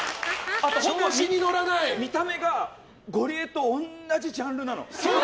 あと見た目がゴリエとおんなじジャンルなの。